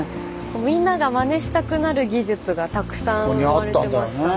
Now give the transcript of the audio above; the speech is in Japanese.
みんながまねしたくなる技術がたくさんありましたね。